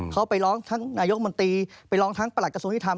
เขาไปร้องทั้งนายกมนตรีไปร้องทั้งประหลักกระทรวงยุทธรรม